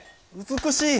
美しい！